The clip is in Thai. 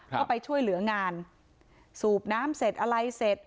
ก็ไปช่วยเหลืองานสูบน้ำเสร็จอะไรเสร็จ